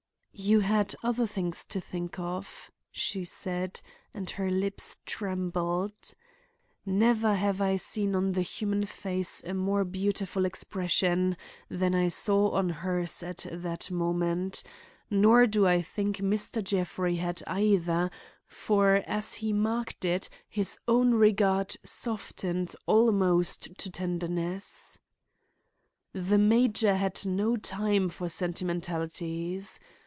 "You had other things to think of," she said, and her lips trembled. Never have I seen on the human face a more beautiful expression than I saw on hers at that moment; nor do I think Mr. Jeffrey had either, for as he marked it his own regard softened almost to tenderness. The major had no time for sentimentalities.